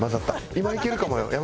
今いけるかもよ山内。